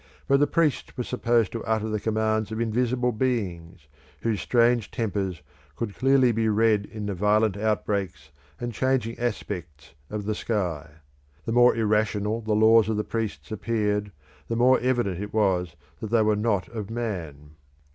But the priests were supposed to utter the commands of invisible beings whose strange tempers could clearly be read in the violent outbreaks and changing aspects of the sky. The more irrational the laws of the priests appeared, the more evident it was that they were not of man.